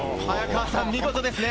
見事ですね。